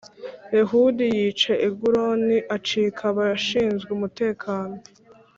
Ehudi yica eguloni acika abashinzwe umutekano